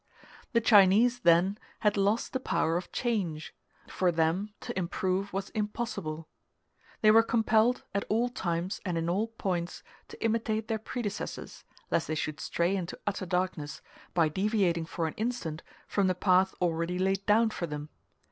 The Chinese, then, had lost the power of change; for them to improve was impossible. They were compelled, at all times and in all points, to imitate their predecessors, lest they should stray into utter darkness, by deviating for an instant from the path already laid down for them.